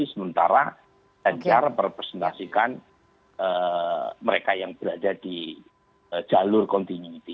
sementara ancar merepresentasikan mereka yang berada di jalur kontiniti